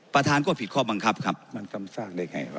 ประธานก็ผิดข้อบังคับครับมันซ้ำซากได้ไงวะ